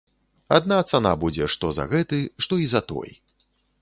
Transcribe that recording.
Адна цана будзе што за гэты, што і за той.